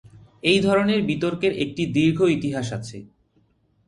এই ধরনের বিতর্কের একটি দীর্ঘ ইতিহাস আছে।